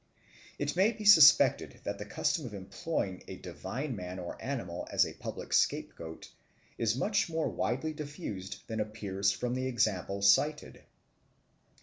It may be suspected that the custom of employing a divine man or animal as a public scapegoat is much more widely diffused than appears from the examples cited.